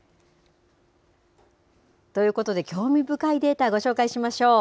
ということで、興味深いデータ、ご紹介しましょう。